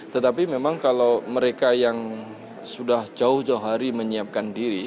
tetapi memang kalau mereka yang sudah jauh jauh hari menyiapkan diri